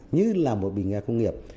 như là một bình ga công nghiệp